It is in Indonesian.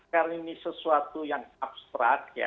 karena ini sesuatu yang abstrak ya